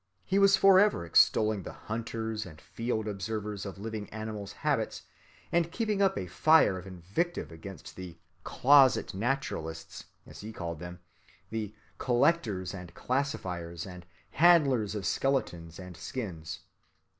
He was forever extolling the hunters and field‐observers of living animals' habits, and keeping up a fire of invective against the "closet‐naturalists," as he called them, the collectors and classifiers, and handlers of skeletons and skins.